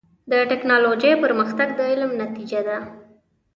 د ټکنالوجۍ پرمختګ د علم نتیجه ده.